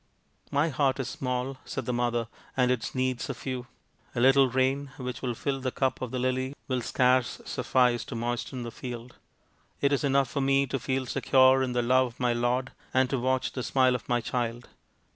" My heart is small/' said the mother, " and its needs are few. A little rain which will fill the cup of the lily will scarce suffice to moisten the field. It is enough for me to feel secure in the love of my lord and to watch the smile of my child.